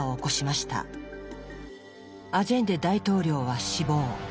アジェンデ大統領は死亡。